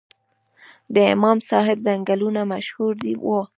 د امام صاحب ځنګلونه مشهور وو